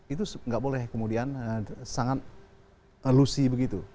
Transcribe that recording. itu tidak boleh kemudian sangat lusi begitu